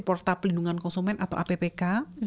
porta pelindungan konsumen atau appk